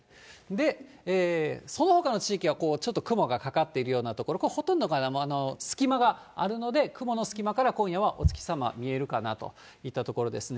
で、そのほかの地域はちょっと雲がかかっているような所、ほとんどが隙間があるので、雲の隙間から今夜はお月様、見えるかなといったところですね。